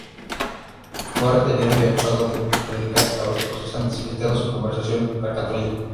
Fue retenido y acusado de predicar a los protestantes solicitando su conversión al catolicismo.